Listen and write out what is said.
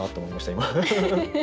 今。